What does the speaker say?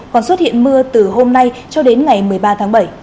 còn xuất hiện mưa từ hôm nay cho đến ngày một mươi ba tháng bảy